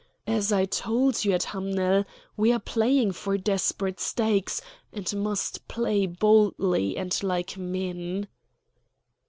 As I told you at Hamnel, we are playing for desperate stakes, and must play boldly and like men."